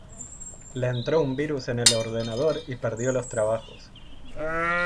Le entró un virus en el ordenador y perdió los trabajos.